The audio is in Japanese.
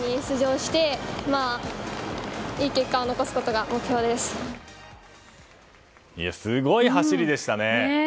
すごい走りでしたね。